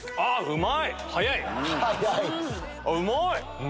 うまい！